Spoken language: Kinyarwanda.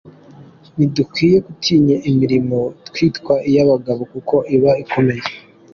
Ntidukwiye gutinya imirimo twita iy’abagabo kuko iba ikomeye